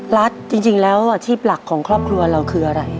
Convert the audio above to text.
รัฐจริงแล้วอาชีพหลักของครอบครัวเราคืออะไร